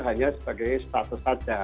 hanya sebagai status saja